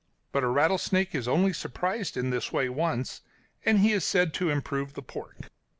But a rattlesnake is only surprised in this way once, and he is said to improve the pork.